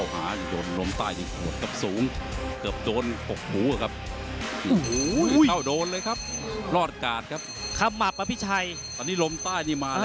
หมดยกที่หนึ่ง